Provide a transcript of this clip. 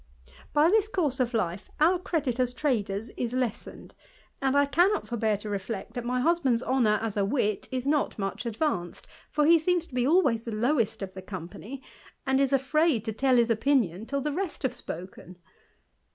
By this course of life our credit as traders is lessened; and I cannot forbear to reflect, that my husband's honour as a wit is not much advanced, for he seems to be always the lowest of the company, and is afraid to tell his opinion till the rest have spoken.